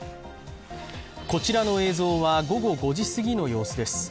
こちらの映像は、午後５時すぎの様子です。